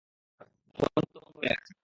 Phone তো বন্ধ হয়ে আছে।